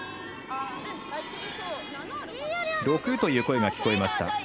６という声が聞こえました。